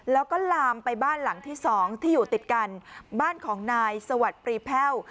แล้วก็ลามไปบ้านหลังที่สองที่อยู่ติดกันบ้านของนายสวัสดิ์ปรีแพ่ว